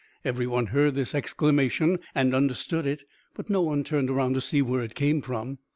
Every one heard this exclamation and understood it, but no one turned around to see where it came from.